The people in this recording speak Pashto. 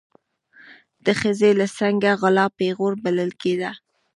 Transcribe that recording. د ښځې له څنګه غلا پیغور بلل کېده.